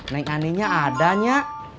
neng aninya adanya